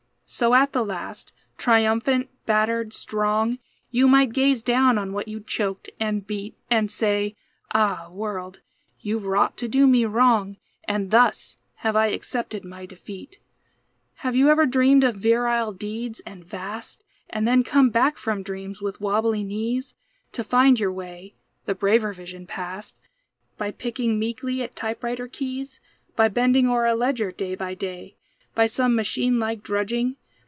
So at the last, triumphant, battered, strong, You might gaze down on what you choked and beat, And say, "Ah, world, you've wrought to do me wrong; And thus have I accepted my defeat." Have you ever dreamed of virile deeds, and vast, And then come back from dreams with wobbly knees, To find your way (the braver vision past), By picking meekly at typewriter keys; By bending o'er a ledger, day by day, By some machine like drudging?